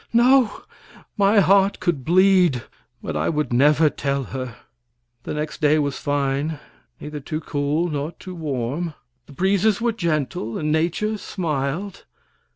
No, my heart could bleed, but I would never tell her. The next day was fine, neither too cool nor too warm; the breezes were gentle, and nature smiled.